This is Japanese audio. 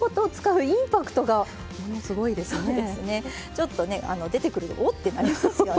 ちょっとね出てくると「おっ？」ってなりますよね